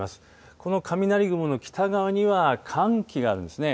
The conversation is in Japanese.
この雷雲の北側には寒気があるんですね。